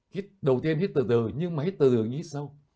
hít đầu tiên hít từ từ nhưng mà hít từ từ thì hít sâu